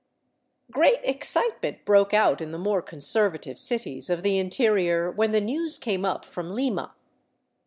Great excitement broke out in the more " conservative " cities of the interior when the news came up from Lima.